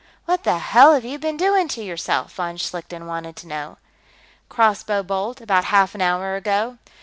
"What the hell have you been doing to yourself?" von Schlichten wanted to know. "Crossbow bolt, about half an hour ago.